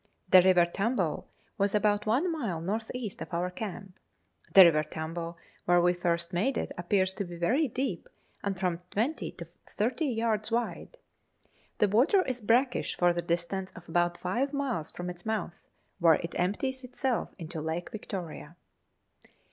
The River Tambo was about one mile north east of our camp. The River Tambo, where we first made it, appears to be very deep and from 20 to 30 yards wide. The water is brackish for the distance of about five miles from its mouth, where it empties itself into Lake Victoria.